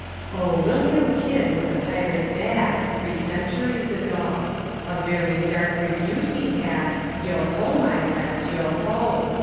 Oh, William Kidd was a pirate bad, Three centuries ago, A very dark repute he had Yo ho, my lads, yo ho!